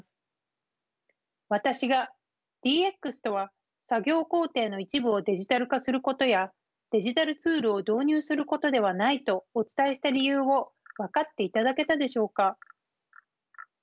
私がＤＸとは作業工程の一部をデジタル化することやデジタルツールを導入することではないとお伝えした理由を分かっていただけたでしょうか。